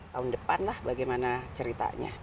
tahun depan lah bagaimana ceritanya